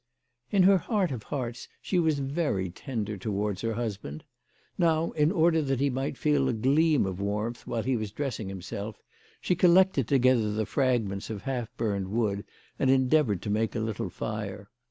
In her heart of hearts she was very tender towards her husband. Now, in order that he might feel a gleam of warmth while he was dressing himself, she collected together the fragments of half burned wood, and endeavoured to make a little fire.